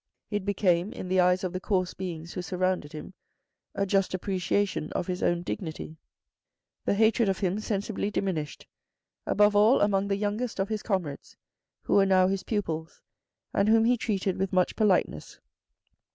It became, in the eyes of the coarse beings who surrounded him, a just appreciation of his own dignity. The hatred of THE FIRST PROMOTION 205 him sensibly diminished, above all among the youngest of his comrades, who were now his pupils, and whom he treated with much politeness.